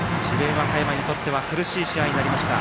和歌山にとっては苦しい試合になりました。